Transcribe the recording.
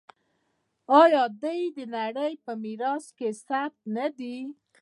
آیا دوی د نړۍ په میراث کې ثبت نه دي؟